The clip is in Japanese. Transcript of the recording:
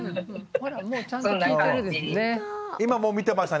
ほらもうちゃんと聞いてるんですね。